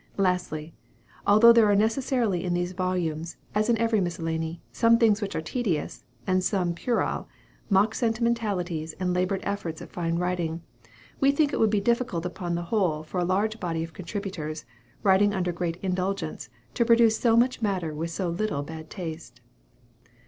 Lastly although there are necessarily in these volumes, as in every miscellany, some things which are tedious, and some puerile, mock sentimentalities and labored efforts at fine writing, we think it would be difficult upon the whole for a large body of contributors, writing under great indulgence, to produce so much matter with so little bad taste.